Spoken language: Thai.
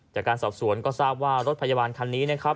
จากการสอบสวนก็ทราบว่ารถพยาบาลคันนี้นะครับ